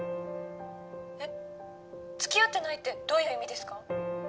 「えっ付き合ってないってどういう意味ですか？」